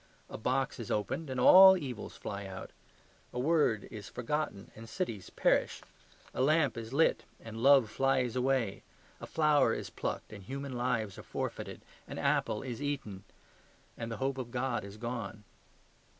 A box is opened, and all evils fly out. A word is forgotten, and cities perish. A lamp is lit, and love flies away. A flower is plucked, and human lives are forfeited. An apple is eaten, and the hope of God is gone.